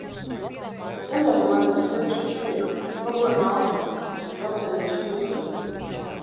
Saņēma mani bez sevišķa prieka, jo pakoja mantiņas, braucienam uz Kurzemi.